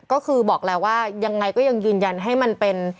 ก็คือบอกแล้วว่ายังไงก็ยังยืนยันให้มันเป็น